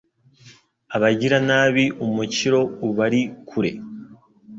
Abagiranabi umukiro ubari kure